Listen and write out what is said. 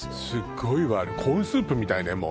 すっごいわあれコーンスープみたいね